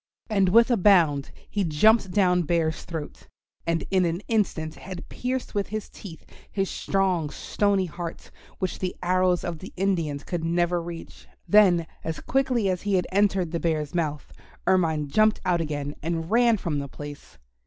And with a bound he jumped down Bear's throat, and in an instant had pierced with his teeth his strong stony heart, which the arrows of the Indians could never reach. Then as quickly as he had entered the Bear's mouth Ermine jumped out again and ran from the place.